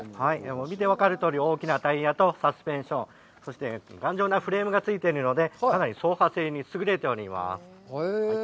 見て分かるとおり、大きなタイヤとサスペンション、そして頑丈なフレームがついておりますので、かなり操作性にすぐれております。